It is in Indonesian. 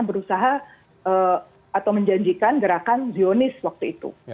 berusaha atau menjanjikan gerakan zionis waktu itu